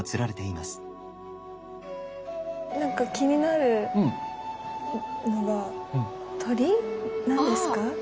なんか気になるのが鳥？なんですか？